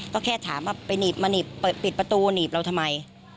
ก็แค่ถามว่าไปหนีบมาหนีบปิดประตูหนีบเราทำไม